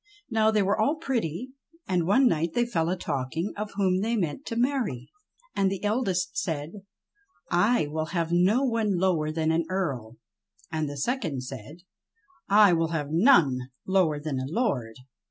Now they were all pretty, and one night they fell a talking of whom they meant to marry. ; And the eldest said, "I will have no one lower than an j Earl." ! And the second said, "I will have none lower than a Lord."